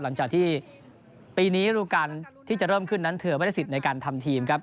หลังจากที่ปีนี้รูการที่จะเริ่มขึ้นนั้นเธอไม่ได้สิทธิ์ในการทำทีมครับ